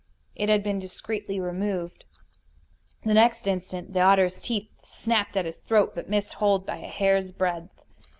It had been discreetly removed. The next instant the otter's teeth snapped at his throat, but missed hold by a hair's breadth.